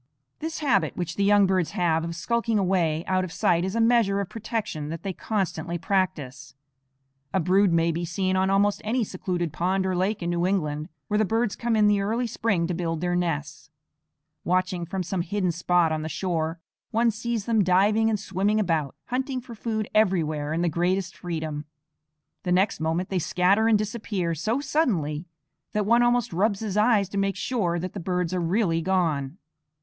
This habit which the young birds have of skulking away out of sight is a measure of protection that they constantly practise. A brood may be seen on almost any secluded pond or lake in New England, where the birds come in the early spring to build their nests. Watching from some hidden spot on the shore, one sees them diving and swimming about, hunting for food everywhere in the greatest freedom. The next moment they scatter and disappear so suddenly that one almost rubs his eyes to make sure that the birds are really gone.